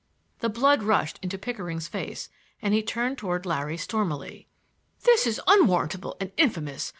The blood rushed into Pickering's face and he turned toward Larry stormily. "This is unwarrantable and infamous!